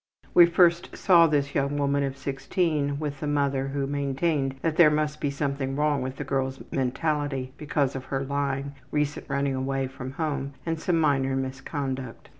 We first saw this young woman of 16 with the mother who maintained that there must be something wrong with the girl's mentality because of her lying, recent running away from home, and some minor misconduct.